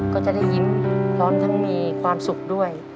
ก็จะได้ยิ้มพร้อมทั้งมีความสุขด้วย